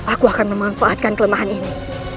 aku akan memanfaatkan kelemahan ini